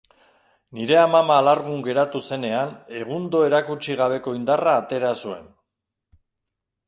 Nire amama alargun geratu zenean, egundo erakutsi gabeko indarra atera zuen.